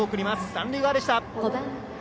三塁側でした。